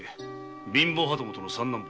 貧乏旗本の三男坊。